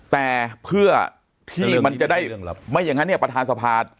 แต่เพื่อที่มันจะได้ไม่อย่างนั้นเนี่ยประธานสภา